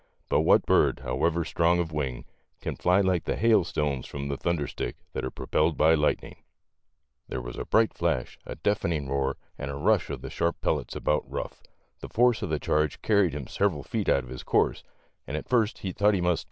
But what bird, however strong of wing, can fly like the hailstones from the thunderstick that are pro pelled by lightning. There was a bright flash, a deafening roar, and a rush of the sharp pellets about Ruff. The force of the charge carried him several feet out of his course, and at first he thought he must A NIGHT WITH RUFF GROUSE.